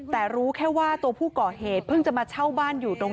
พี่บุหรี่พี่บุหรี่พี่บุหรี่พี่บุหรี่